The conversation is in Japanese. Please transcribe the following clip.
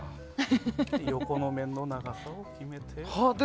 横の面の長さを決めて。